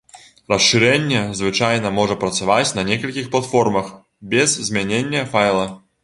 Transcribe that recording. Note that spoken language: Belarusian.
Расшырэнне звычайна можа працаваць на некалькіх платформах без змянення файла.